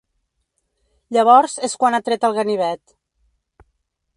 Llavors és quan ha tret el ganivet.